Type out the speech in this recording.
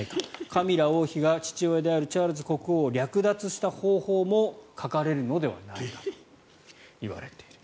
カミラ王妃が父親であるチャールズ国王を略奪した方法も書かれるのではないかと言われている。